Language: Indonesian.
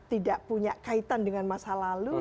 tidak punya kaitan dengan masa lalu